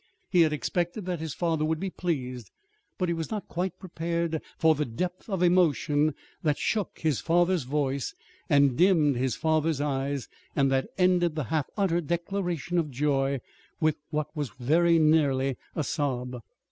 He had expected that his father would be pleased; but he was not quite prepared for the depth of emotion that shook his father's voice and dimmed his father's eyes, and that ended the half uttered declaration of joy with what was very near a sob.